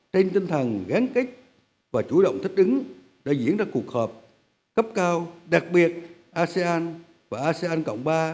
trên tinh thần gán kết và chủ động thích ứng đã diễn ra cuộc họp cấp cao đặc biệt asean và asean cộng ba